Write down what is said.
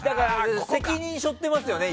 責任背負ってますよね。